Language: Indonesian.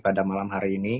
pada malam hari ini